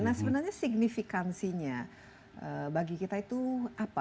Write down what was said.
nah sebenarnya signifikansinya bagi kita itu apa